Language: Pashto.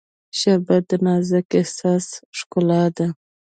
شربت د نازک احساس ښکلا ده